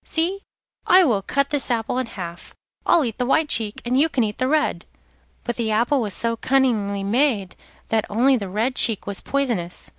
'See, I will cut this apple in half. I'll eat the white cheek and you can eat the red.' But the apple was so cunningly made that only the red cheek was poisonous.